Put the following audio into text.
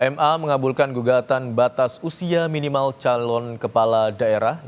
ma mengabulkan gugatan batas usia minimal calon kepala daerah